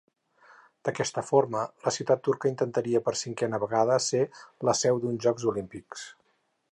D'aquesta forma, la ciutat turca intentaria, per cinquena vegada, ser la seu d'uns Jocs Olímpics.